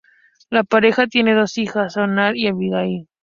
La pareja tiene dos hijas, Zohar y Abigail.